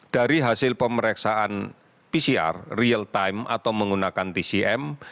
dari hasil pemeriksaan pcr real time atau menggunakan tcm